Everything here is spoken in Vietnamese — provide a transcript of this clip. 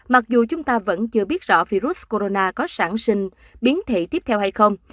mặc dù chúng ta vẫn chưa biết rõ virus corona có sản sinh biến thị tiếp theo hay không